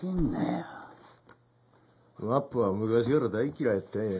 マッポは昔から大嫌いやったんや。